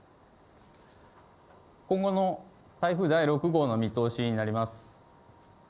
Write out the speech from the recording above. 今後の台風第６号の見通しになります。